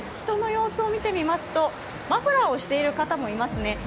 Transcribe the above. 人の様子を見てみますとマフラーをしている方もいますね。